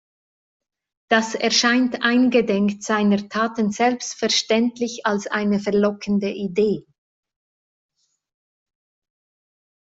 Das erscheint eingedenk seiner Taten selbstverständlich als eine verlockende Idee.